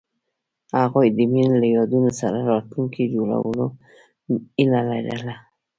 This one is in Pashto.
هغوی د مینه له یادونو سره راتلونکی جوړولو هیله لرله.